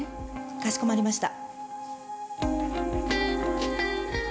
かしこまりました。